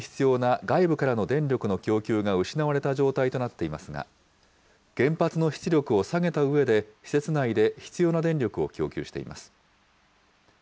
ザポリージャ原発は原子炉の冷却に必要な外部からの電力の供給が失われた状態となっていますが、原発の出力を下げたうえで、施設内で必要な電力を供給しています。